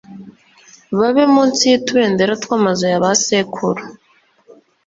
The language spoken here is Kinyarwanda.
babe munsi y utubendera tw amazu ya ba sekuru